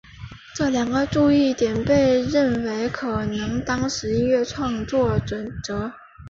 这两个注意点被认为可能是当时音乐创作的准则。